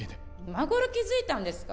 今ごろ気づいたんですか？